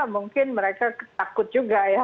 mungkin mereka takut juga ya